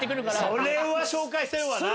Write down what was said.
それは紹介せんわな。